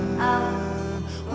saya juga mau mengucapkan